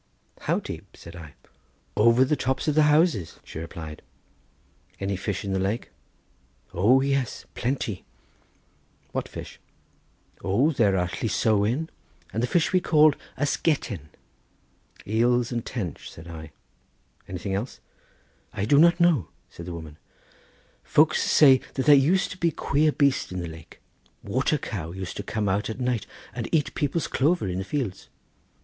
"How deep?" said I. "Over the tops of the houses," she replied. "Any fish in the lake?" "O yes! plenty." "What fish?" "O there are llysowen, and the fish we call ysgetten." "Eels and tench," said I; "anything else?" "I do not know," said the woman; "folks say that there used to be queer beast in the lake, water cow used to come out at night and eat people's clover in the fields."